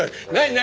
何？